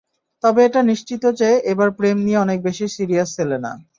তবে এটা নিশ্চিত যে, এবার প্রেম নিয়ে অনেক বেশি সিরিয়াস সেলেনা।